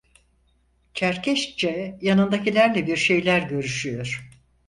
Çerkesçe yanındakilerle bir şeyler görüşüyor.